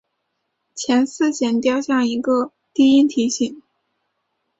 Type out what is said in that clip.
前四弦调像一个低提琴。